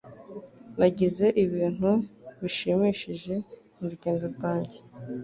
Nagize ibintu bishimishije murugendo rwanjye.